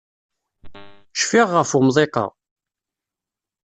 Cfiɣ ɣef umḍiq-a.